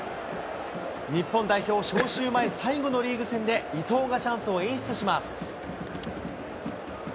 日本代表招集前最後のリーグ戦で、伊東がチャンスを演出します。